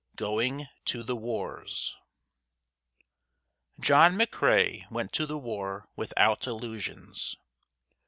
IV. Going to the Wars John McCrae went to the war without illusions.